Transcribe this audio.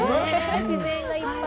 自然がいっぱい。